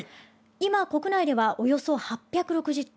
今、国内ではおよそ８６０頭